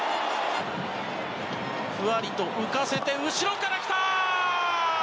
ふわりと浮かせて後ろから来た！